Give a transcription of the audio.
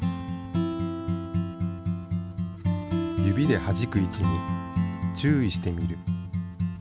指ではじく位置に注意してみる。